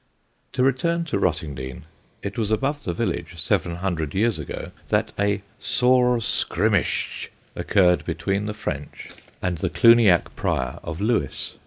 To return to Rottingdean, it was above the village, seven hundred years ago, that a "sore scrymmysche" occurred between the French and the Cluniac prior of Lewes.